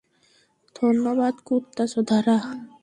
ধন্যবাদ, কুত্তাচোদারা।